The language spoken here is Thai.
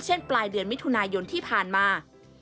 ปลายเดือนมิถุนายนที่ผ่านมา